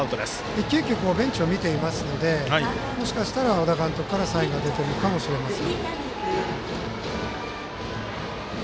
一球一球ベンチを見ていますのでもしかしたら、小田監督からサインが出ているかもしれません。